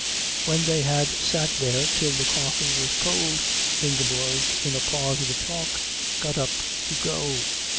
When they had sat there till the coffee was cold Ingeborg, in a pause of the talk, got up to go.